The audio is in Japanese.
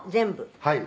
「はい。